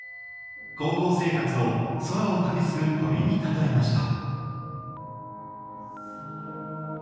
高校生活を空を旅する鳥に例えました。